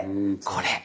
これ。